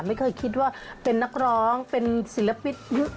ไม่เคยคิดว่าเป็นนักร้องเป็นศิลปิน